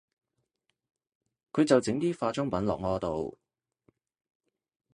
佢就整啲化妝品落我度